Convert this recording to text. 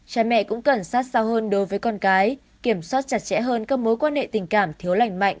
cha mẹ cũng cần sát sao hơn đối với con cái kiểm soát chặt chẽ hơn các mối quan hệ tình cảm thiếu lành mạnh